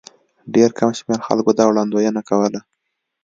ډېر کم شمېر خلکو دا وړاندوینه کوله.